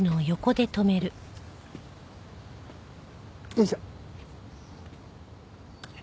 よいしょ。